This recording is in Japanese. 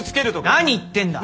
何言ってんだ！